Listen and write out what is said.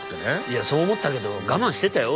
いやそう思ったけど我慢してたよ？